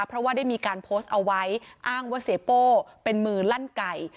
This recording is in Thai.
เพราะว่าได้มีการโพสต์เอาไว้อ้างว่าเสียโป้เป็นมือลั่นไก่